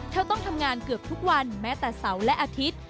ต้องทำงานเกือบทุกวันแม้แต่เสาร์และอาทิตย์